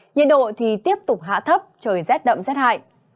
nhiệt độ thì tiếp tục hạ thấp trời rét đậm rét hại